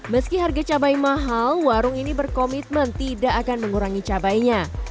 meski harga cabai mahal warung ini berkomitmen tidak akan mengurangi cabainya